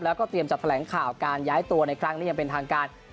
แล้วก็เตรียมจัดแถลงข่าวการย้ายตัวในครั้งนี้อย่างเป็นทางการ